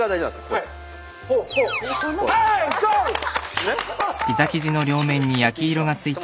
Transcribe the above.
はい。